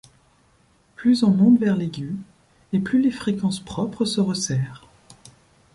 Plus on monte vers l'aigu, et plus les fréquences propres se resserrent.